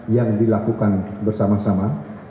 yang dilakukan bersama sama